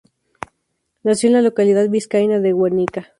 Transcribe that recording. Nació en la localidad vizcaína de Guernica.